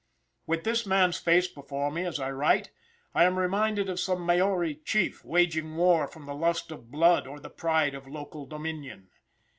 With this man's face before me as I write, I am reminded of some Maori chief waging war from the lust of blood or the pride of local dominion.